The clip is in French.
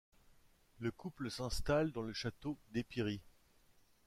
Le couple s'installe dans le château d'Epiry.